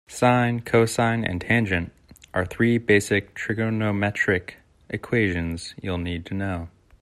Sine, cosine and tangent are three basic trigonometric equations you'll need to know.